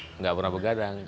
tidak pernah begadang